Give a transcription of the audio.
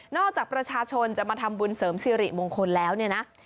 จากประชาชนจะมาทำบุญเสริมสิริมงคลแล้วเนี่ยนะ